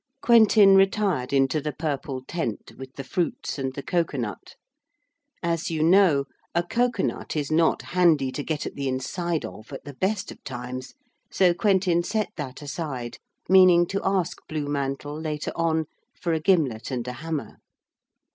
Quentin retired into the purple tent, with the fruits and the cocoa nut. As you know, a cocoa nut is not handy to get at the inside of, at the best of times, so Quentin set that aside, meaning to ask Blue Mantle later on for a gimlet and a hammer.